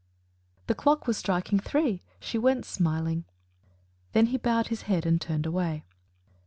"The clock was striking three she went smiling." Then he bowed his head and turned away.